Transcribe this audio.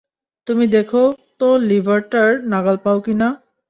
তুমি দেখো তো লিভারটার নাগাল পাও কি-না।